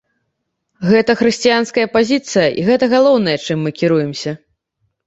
Гэта хрысціянская пазіцыя, і гэта галоўнае, чым мы кіруемся.